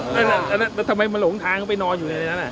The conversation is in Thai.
แล้วทำไมมันหลงทางไปนอนอยู่ในนั้นเนี่ย